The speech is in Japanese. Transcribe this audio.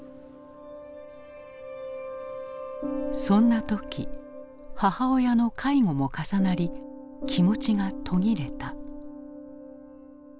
そんな時母親の介護も重なり気持ちが途切れた。